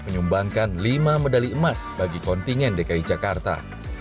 menyumbangkan lima medali emas bagi kontingen dki jakarta